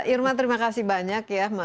irma terima kasih banyak ya